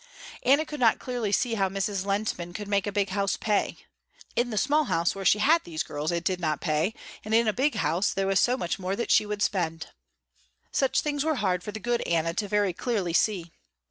Anna could not clearly see how Mrs. Lehntman could make a big house pay. In the small house where she had these girls, it did not pay, and in a big house there was so much more that she would spend. Such things were hard for the good Anna to very clearly see.